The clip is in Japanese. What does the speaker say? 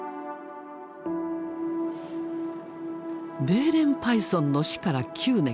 ベーレンパイソンの死から９年。